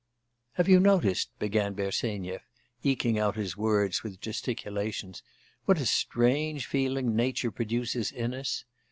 'Have you noticed,' began Bersenyev, eking out his words with gesticulations, 'what a strange feeling nature produces in us?